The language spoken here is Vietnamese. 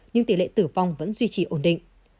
nhưng tỷ lệ tử vong vẫn duy trì ổn định